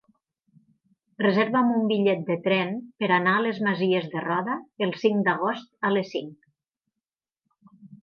Reserva'm un bitllet de tren per anar a les Masies de Roda el cinc d'agost a les cinc.